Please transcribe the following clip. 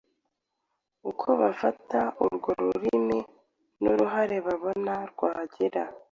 uko bafata urwo rurimi n’uruhare babona rwagira